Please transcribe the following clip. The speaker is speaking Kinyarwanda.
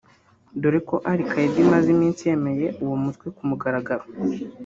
dore ko na Al Qaida imaze iminsi yemeye uwo mutwe ku mugaragaro